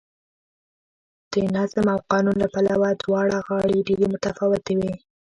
د نظم او قانون له پلوه دواړه غاړې ډېرې متفاوتې وې